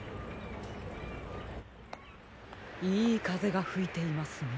いいかぜがふいていますね。